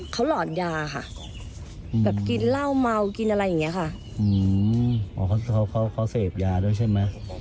เขาหล่อยาการและกลีม